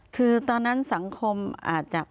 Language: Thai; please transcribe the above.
คือตอนนั้นสังคมอาจจะ